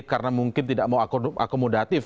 karena mungkin tidak mau akomodatif